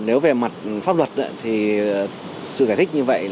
nếu về mặt pháp luật thì sự giải thích như vậy